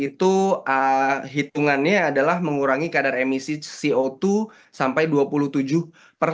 itu sih hitungannya adalah mengurangi kadar emisi omong warga aku sendiri nam nam n litongma er